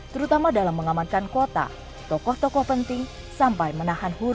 terutama dalam mengamankan kuota tokoh tokoh penting sampai menahan huru hara